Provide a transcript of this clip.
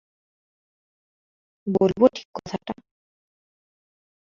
বলব ঠিক কথাটা?